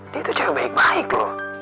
dia itu cewek baik loh